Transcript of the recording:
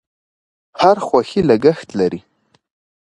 هر خوښي لګښت لري.